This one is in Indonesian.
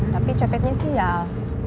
tapi copetnya sial